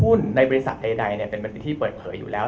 หุ้นในบริษัทใดเนี่ยเป็นเป็นที่เปิดเผยอยู่แล้ว